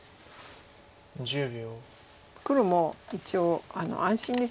黒も一応安心ですよね。